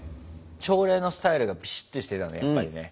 朝礼のスタイルがピシッとしてたねやっぱりね。